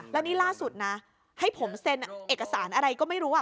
แล้วนี่ล่าสุดนะให้ผมเซ็นเอกสารอะไรก็ไม่รู้